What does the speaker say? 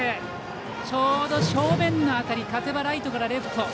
ちょうど正面の当たり風はライトからレフト。